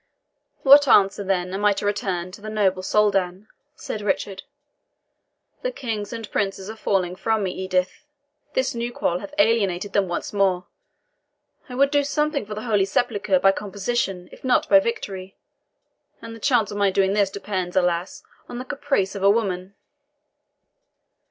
"What answer, then, am I to return to the noble Soldan?" said Richard. "The kings and princes are falling from me, Edith; this new quarrel hath alienated them once more. I would do something for the Holy Sepulchre by composition, if not by victory; and the chance of my doing this depends, alas, on the caprice of a woman.